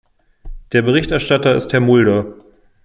Der Berichterstatter ist Herr Mulder.